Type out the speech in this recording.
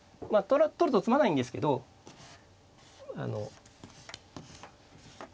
取ると詰まないんですけどあの。